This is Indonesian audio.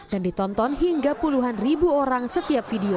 dan ditonton hingga puluhan ribu orang setiap video